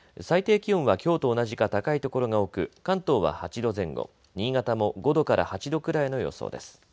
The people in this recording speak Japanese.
最低気温はきょうと同じか高い所が多く関東は８度前後、新潟も５度から８度くらいの予想です。